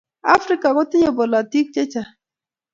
Afrika kotinyei bolutik chechang